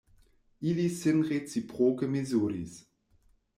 Ili sin reciproke mezuris.